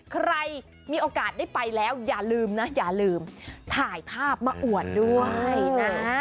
ใครมีโอกาสได้ไปแล้วอย่าลืมนะอย่าลืมถ่ายภาพมาอวดด้วยนะ